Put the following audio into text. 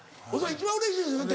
一番うれしいですよね